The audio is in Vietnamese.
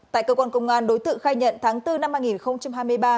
tại cơ quan công an đối tượng khai nhận tháng bốn năm hai nghìn hai mươi ba